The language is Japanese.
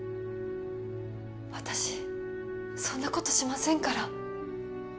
私そんなことしませんから